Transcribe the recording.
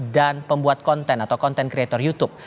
dan pembuat konten atau konten kreator youtube